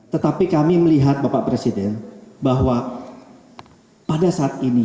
tetapi kami melihat bapak presiden bahwa pada saat ini